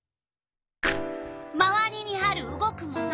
まわりにある動くもの。